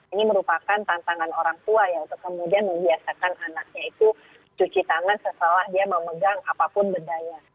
ini merupakan tantangan orang tua ya untuk kemudian membiasakan anaknya itu cuci tangan setelah dia memegang apapun berdaya